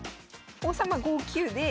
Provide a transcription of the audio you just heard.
王様５九で。